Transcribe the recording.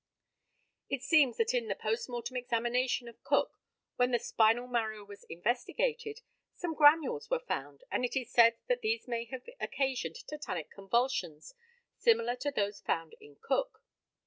It seems that in the post mortem examination of Cook, when the spinal marrow was investigated, some granules were found, and it is said these may have occasioned tetanic convulsions similar to those found in Cook.